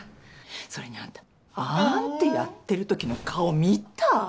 それにあんたあんってやってるときの顔見た？